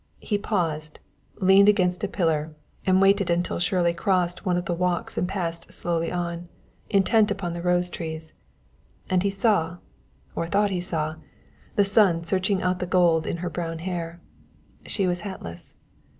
He paused, leaned against a pillar, and waited until Shirley crossed one of the walks and passed slowly on, intent upon the rose trees; and he saw or thought he saw the sun searching out the gold in her brown hair. She was hatless.